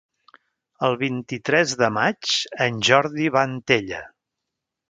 El vint-i-tres de maig en Jordi va a Antella.